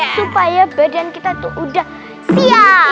supaya badan kita tuh udah siap